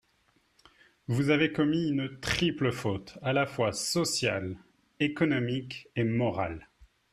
Vous avez commis une triple faute, à la fois sociale, économique, et morale.